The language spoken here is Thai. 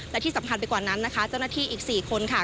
และที่สำคัญไปกว่านั้นนะคะเจ้าหน้าที่อีก๔คนค่ะ